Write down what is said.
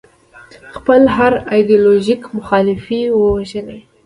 خپل هر ایدیالوژیک مخالف ووژني.